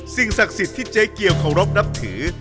สิ่งศักดิ์สิทธิ์ที่เจ๊เกียวเคารพนับถือ